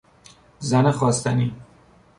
زن خواستنی